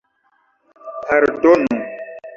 Pardonu.